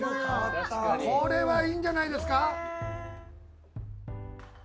これはいいんじゃないですか？